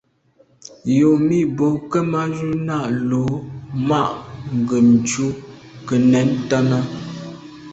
Yomi bo Kemaju’ na’ lo mà nkebnjù nke nèn ntàne.